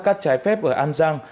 khai thác cát trái phép ở an giang